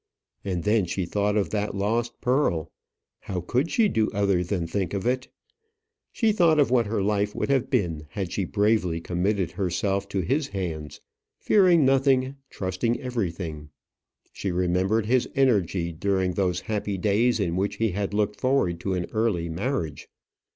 And then she thought of that lost pearl. How could she do other than think of it? She thought of what her life would have been had she bravely committed herself to his hands, fearing nothing, trusting everything. She remembered his energy during those happy days in which he had looked forward to an early marriage.